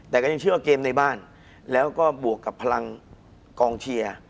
แต่ก็ยังเชื่อว่าเกมในบ้านแล้วก็บวกกับพลังกองเชียร์